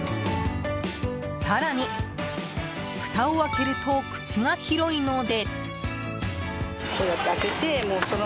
更に、ふたを開けると口が広いので。